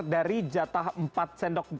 dari jatah empat sendok